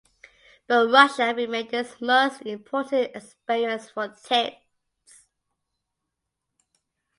But Russia remained his most important experience for Tietz.